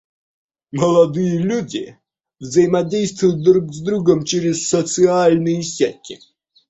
Молодые люди взаимодействуют друг с другом через социальные сети.